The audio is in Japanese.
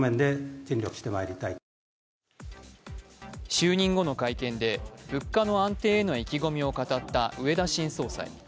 就任後の会見で、物価の安定への意気込みを語った植田新総裁。